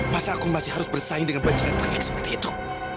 masa aku masih harus bersaing dengan baju yang terik seperti itu